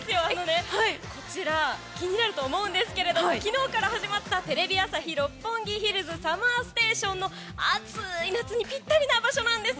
こちら気になると思うんですけども昨日から始まった「テレビ朝日・六本木ヒルズＳＵＭＭＥＲＳＴＡＴＩＯＮ」の暑い夏にぴったりな場所なんです。